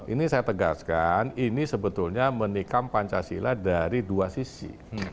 ini saya tegaskan ini sebetulnya menikam pancasila dari dua sisi